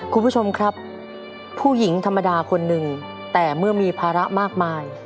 คุณผู้ชมครับผู้หญิงธรรมดาคนหนึ่งแต่เมื่อมีภาระมากมาย